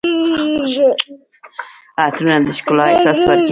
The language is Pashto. عطرونه د ښکلا احساس ورکوي.